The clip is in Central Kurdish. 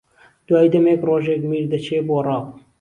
دوای دەمێک ڕۆژێک میر دەچێ بۆ ڕاو